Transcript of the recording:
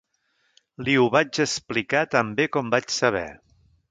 Li ho vaig explicar tan bé com vaig saber